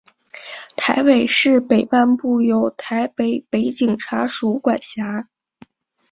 台北市北半部由台北北警察署管辖。